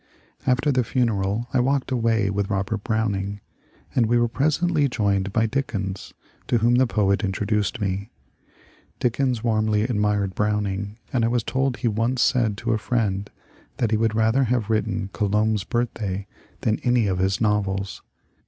After the funeral I walked away with Robert Browning, and we were presently joined by Dickens, to whom the poet introduced me. Dickens warmly admired Browning, and I was told he once said to a friend that he would rather have written *^ Colombo's Birthday " than any of his novels.